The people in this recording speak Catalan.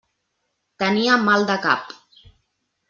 Tenia mal de cap.